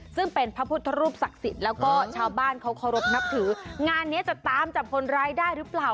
ซึ่งเป็นพระพุทธรูปศักดิ์สิทธิ์แล้วก็ชาวบ้านเขาเคารพนับถืองานเนี้ยจะตามจับคนร้ายได้หรือเปล่า